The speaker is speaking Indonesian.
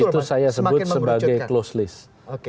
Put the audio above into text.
itu saya sebut sebagai closed list